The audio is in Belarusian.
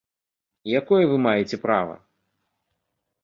Якое вы маеце права?